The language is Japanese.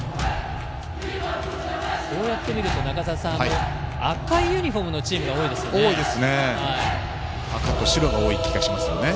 こうして見ると、中澤さん赤いユニフォームのチームが多いですよね。